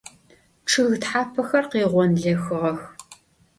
Чъыг тхьапэхэр къегъонлэхыгъэх.